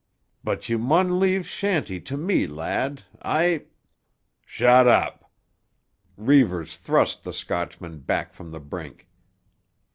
But you maun leave Shanty to me, lad, I——" "Shut up!" Reivers thrust the Scotchman back from the brink.